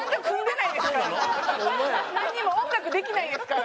なんにも音楽できないですから。